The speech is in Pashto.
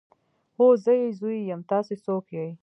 هو زه يې زوی يم تاسې څوک يئ.